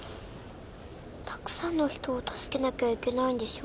たくさんの人を助けなきゃいけないんでしょ？